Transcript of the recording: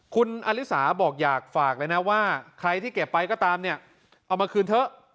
คุณอลิสาบอกอยากฝากเลยนะว่าใครที่เก็บไปก็ตามเนี่ยเอามาคืนเถอะ